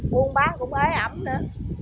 buôn bán cũng ế ẩm nữa